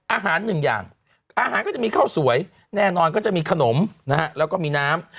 อาหารหนึ่งอย่างอาหารก็จะมีข้าวสวยแน่นอนก็จะมีขนมนะฮะแล้วก็มีน้ำ